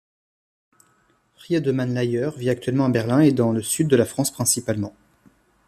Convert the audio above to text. Friedemann Layer vit actuellement à Berlin et dans le Sud de la France principalement.